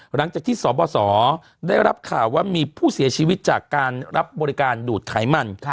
หลังจากที่สบสได้รับข่าวว่ามีผู้เสียชีวิตจากการรับบริการดูดไขมัน